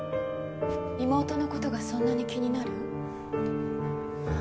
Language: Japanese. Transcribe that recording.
妹の事がそんなに気になる？